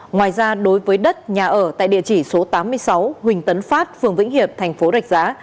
ngoài ra đối với đất nhà ở tại địa chỉ số tám mươi sáu huỳnh tấn phát phường vĩnh hiệp thành phố rạch giá